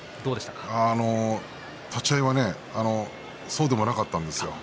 立ち合いはそうでもなかったんですよ。